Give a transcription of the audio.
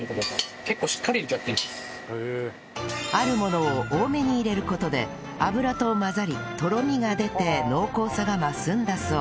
あるものを多めに入れる事で油と混ざりとろみが出て濃厚さが増すんだそう